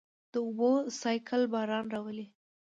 د اوبو سائیکل باران راولي.